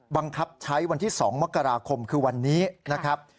บังคับใช้วันที่๒มกราคมคือวันนี้นะครับ